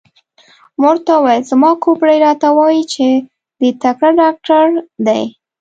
ما ورته وویل: زما کوپړۍ راته وایي چې دی تکړه ډاکټر دی.